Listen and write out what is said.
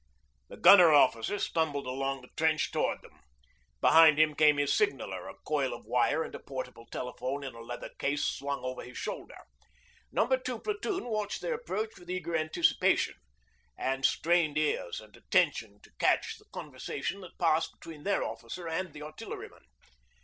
The gunner officer stumbled along the trench towards them. Behind him came his signaller, a coil of wire and a portable telephone in a leather case slung over his shoulder. No. 2 Platoon watched their approach with eager anticipation, and strained ears and attention to catch the conversation that passed between their officer and the artilleryman.